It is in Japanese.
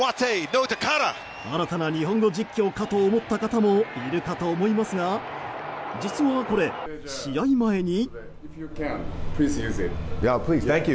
新たな日本語実況かと思った方もいるかと思いますが実はこれ、試合前に。